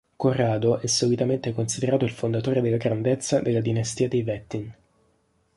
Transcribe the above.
Corrado è solitamente considerato il fondatore della grandezza della dinastia dei Wettin.